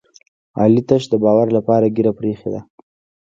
علي تش د باور لپاره ږېره پرې ایښې ده.